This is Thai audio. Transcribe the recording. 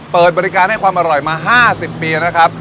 เปิดบริการให้ความอร่อยมา๕๐ปีนะครับ